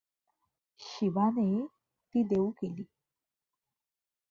शिवाने ती देऊ केली.